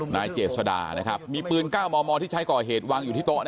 นายเจษดานะครับมีปืน๙มมที่ใช้ก่อเหตุวางอยู่ที่โต๊ะ